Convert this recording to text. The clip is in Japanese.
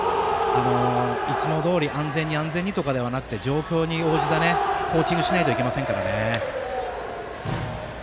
いつもどおり安全にとかではなく状況に応じたコーチングをしないといけませんから。